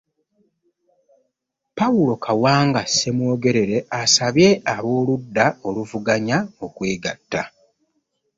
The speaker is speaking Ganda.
Paul Kawanga Ssemwogerere asabye ab'oludda oluvuganya okwegatta